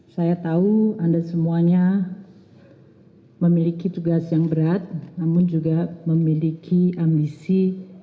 saya tahu anda semuanya memiliki tugas yang berat namun juga memiliki ambisi